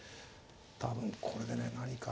多分これでね何か。